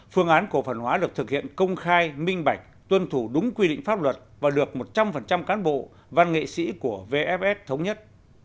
phương án cổ phần hóa được thực hiện công khai minh bạch tuân thủ đúng quy định pháp luật và được một trăm linh cán bộ văn nghệ sĩ của vff thống nhất